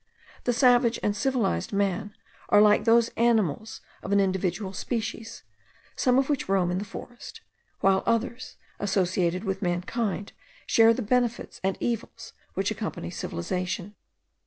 The savage and civilized man are like those animals of an individual species, some of which roam in the forest, while others, associated with mankind, share the benefits and evils which accompany civilization.